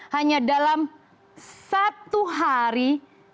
hanya dalam satu hari